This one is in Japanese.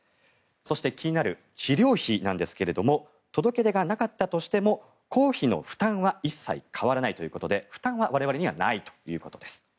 そして気になる治療費なんですが届け出がなかったとしても公費の負担は一切変わらないということで負担は我々にはないということです。